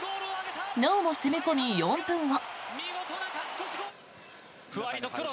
なおも攻め込み、４分後。